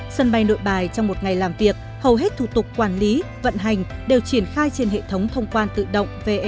sân bay nội bài trong một ngày làm việc hầu hết thủ tục quản lý vận hành đều triển khai trên hệ thống thông quan tự động ve